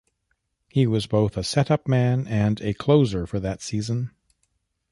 He was both a setup man and a closer that season.